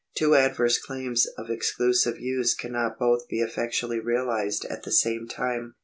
Two adverse claims of exclusive use cannot both be effectually realised at the same time.